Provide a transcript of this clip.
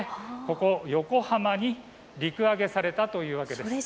ここ、横浜に陸揚げされたというわけです。